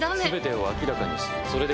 全てを明らかにする。